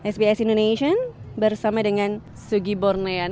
sbs indonesia bersama dengan sugi bornean